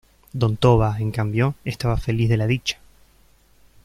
Don Toba, en cambio, estaba feliz de la dicha.